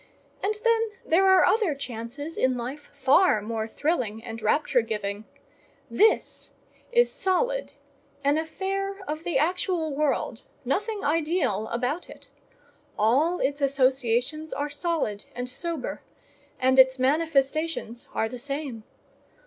And then there are other chances in life far more thrilling and rapture giving: this is solid, an affair of the actual world, nothing ideal about it: all its associations are solid and sober, and its manifestations are the same.